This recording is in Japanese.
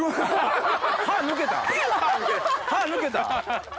歯抜けた？